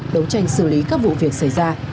đấu tranh xử lý các vụ việc xảy ra